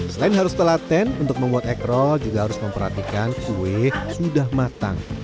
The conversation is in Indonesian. selain harus telaten untuk membuat egrol juga harus memperhatikan kue sudah matang